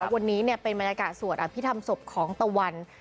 วันนี้เป็นบรรยากาศสวดอภิษฐรรมศพของตะวัน